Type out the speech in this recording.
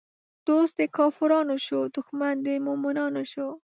دوست د کافرانو شو، دښمن د مومنانو شو